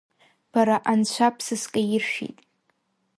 Бара Анцәа бсызкаиршәит!